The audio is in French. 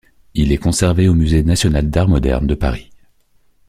Il est conservé au musée national d'Art moderne de Paris.